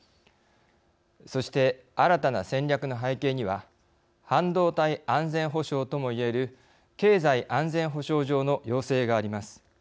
そして新たな戦略の背景には半導体安全保障ともいえる経済安全保障上の要請があります。